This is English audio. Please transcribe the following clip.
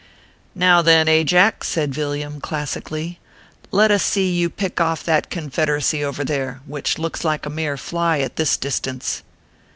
" Now then, Ajack/ said Villiam, classically, " let us see you pick off that Confederacy over there, which looks like a mere fly at this distance."